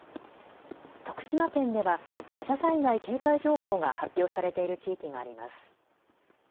徳島県では土砂災害警戒情報が発表されている地域があります。